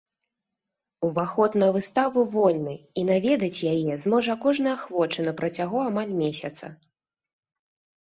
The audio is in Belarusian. Уваход на выставу вольны і наведаць яе зможа кожны ахвочы на працягу амаль месяца.